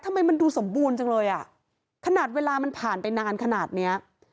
ทำไมมันดูสมบูรณ์จังเลยอ่ะขนาดเวลามันผ่านไปนานขนาดเนี้ย